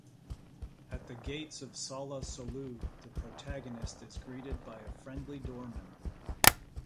At the gates of Solla Sollew, the protagonist is greeted by a friendly doorman.